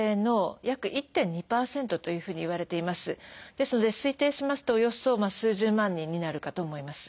ですので推定しますとおよそ数十万人になるかと思います。